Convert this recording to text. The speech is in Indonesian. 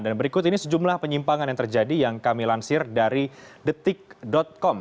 dan berikut ini sejumlah penyimpangan yang terjadi yang kami lansir dari detik com